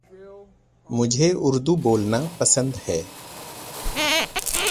مجھے اردو بولنا پسند ہے۔